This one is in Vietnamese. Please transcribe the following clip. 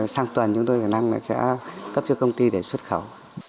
sang tuần chúng tôi khả năng sẽ cấp cho công ty để xuất khẩu